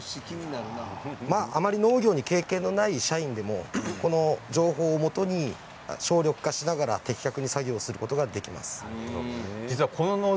あまり農業に経験のない社員でもこの情報をもとに省力化しながら作業することができます。